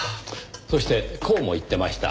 そしてこうも言ってました。